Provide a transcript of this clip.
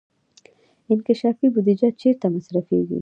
انکشافي بودجه چیرته مصرفیږي؟